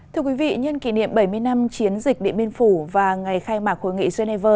thưa quý vị nhân kỷ niệm bảy mươi năm chiến dịch điện biên phủ và ngày khai mạc hội nghị geneva